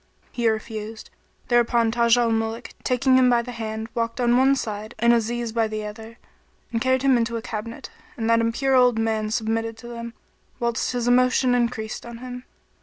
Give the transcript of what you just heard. He refused, whereupon Taj al Muluk taking him by the hand walked on one side and Aziz by the other, and carried him into a cabinet; and that impure old man submitted to them, whilst his emotion increased on him.